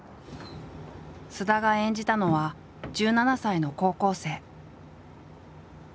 菅田が演じたのは１７歳の高校生。